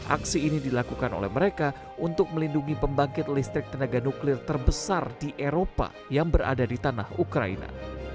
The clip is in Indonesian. aksi ini dilakukan oleh mereka untuk melindungi pembangkit listrik tenaga nuklir terbesar di eropa yang berada di tanah ukraina